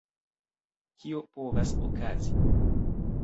Kio povas okazi?